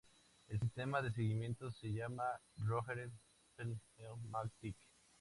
El sistema de seguimiento se llama Röhren-Pneumatik.